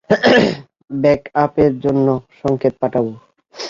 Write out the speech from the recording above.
ব্যাকআপের জন্য সংকেত পাঠাবো!